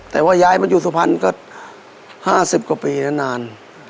แต่ว่าย้ายมาอยู่สุพรรณก็๕๐กว่าปีแล้วนาน